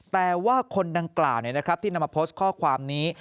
แต่ว่าคนดังกล่าวนะครับที่มาโพสต์ข้อความนี้